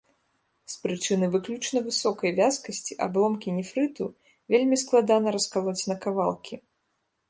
З прычыны выключна высокай вязкасці абломкі нефрыту вельмі складана раскалоць на кавалкі.